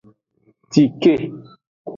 Cike.